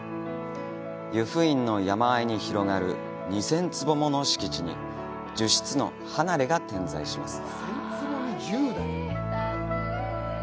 湯布院の山あいに広がる２０００坪もの敷地に１０室の離れが点在します。